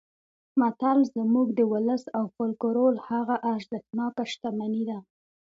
متل زموږ د ولس او فولکلور هغه ارزښتناکه شتمني ده